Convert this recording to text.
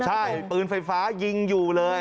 ใช่ปืนไฟฟ้ายิงอยู่เลย